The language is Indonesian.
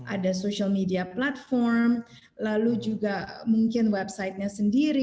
ada social media platform lalu juga mungkin websitenya sendiri